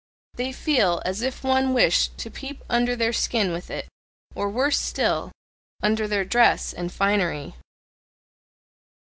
They feel as if one wished to peep under their skin with it or worse still! under their dress and finery.